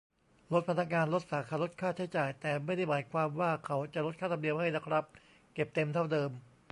ลดพนักงาน ลดสาขา ลดค่าใช้จ่าย แต่ไม่ได้หมายความว่าเขาจะลดค่าธรรมเนียมให้นะครับ เก็บเต็มเท่าเดิม